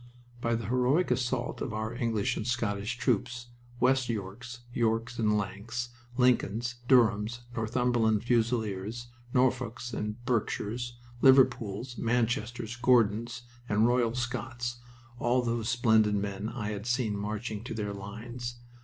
By the heroic assault of our English and Scottish troops. West Yorks, Yorks and Lancs, Lincolns, Durhams, Northumberland Fusiliers, Norfolks and Berkshires, Liverpools, Manchesters, Gordons, and Royal Scots, all those splendid men I had seen marching to their lines.